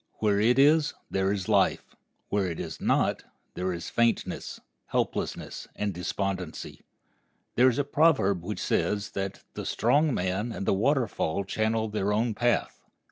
Where it is, there is life; where it is not, there is faintness, helplessness, and despondency. There is a proverb which says that "the strong man and the waterfall channel their own path."